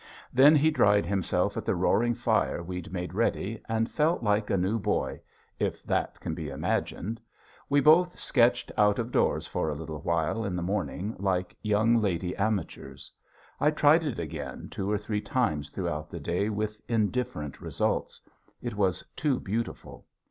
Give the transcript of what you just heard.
Then he dried himself at the roaring fire we'd made ready and felt like a new boy if that can be imagined. We both sketched out of doors for a little while in the morning like young lady amateurs. I tried it again two or three times throughout the day with indifferent results; it was too beautiful.